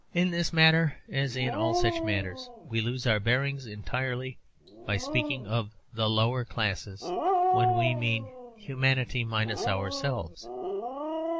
In this matter, as in all such matters, we lose our bearings entirely by speaking of the 'lower classes' when we mean humanity minus ourselves.